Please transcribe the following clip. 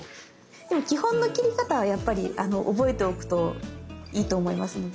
でも基本の切り方はやっぱり覚えておくといいと思いますので。